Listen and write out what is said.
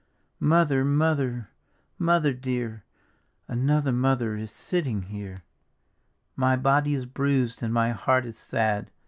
Mother, Mother, Mother dear, Another Mother is sitting here; My body is bruised and my heart is sad.